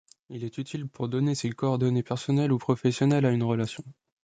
Il est utile pour donner ses coordonnées personnelles ou professionnelles à une relation.